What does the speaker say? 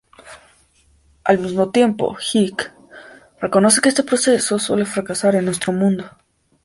Al mismo tiempo, Hick reconoce que este proceso suele fracasar en nuestro mundo.